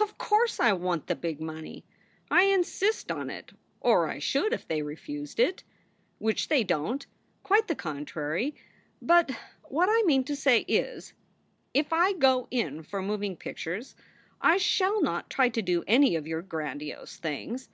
Of course I want the big money. I insist on it, or I should if they refused it. Which they don t. Quite the contr ry. But what I mean to say, is: " If I go in for moving pictures I shall not try to do any of your grandiose things.